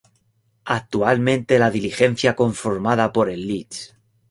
Actualmente la diligencia conformada por el Lic.